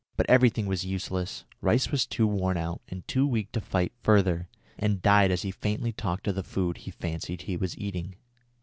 But everything was useless; Rice was too worn out and too weak to fight further, and died as he faintly talked of the food he fancied he was eating.